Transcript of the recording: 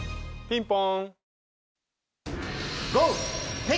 ピンポン。